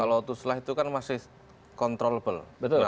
kalau tuslah itu kan masih controlble